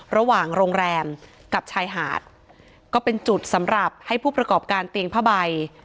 ระหว่างโรงแรมกับชายหาดก็เป็นจุดสำหรับให้ผู้ประกอบการเตียงผ้าใบ